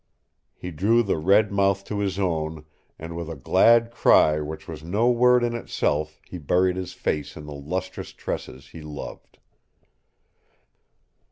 He drew the red mouth to his own, and with a glad cry which was no word in itself he buried his face in the lustrous tresses he loved.